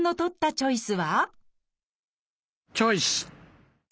チョイス！